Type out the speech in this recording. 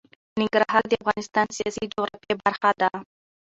ننګرهار د افغانستان د سیاسي جغرافیه برخه ده.